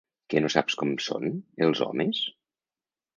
Que no saps com són, els homes?